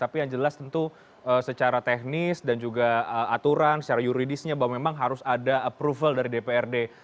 tapi yang jelas tentu secara teknis dan juga aturan secara yuridisnya bahwa memang harus ada approval dari dprd